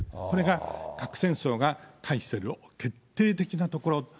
これが核戦争がする決定的なところ。